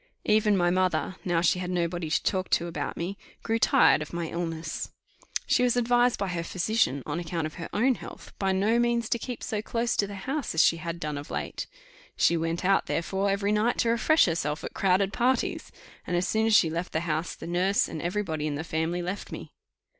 Even my mother, now she had nobody to talk to about me, grew tired of my illness. She was advised by her physician, on account of her own health, by no means to keep so close to the house as she had done of late: she went out therefore every night to refresh herself at crowded parties; and as soon as she left the house, the nurse and every body in the family left me.